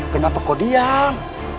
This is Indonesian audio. kenapa kau diam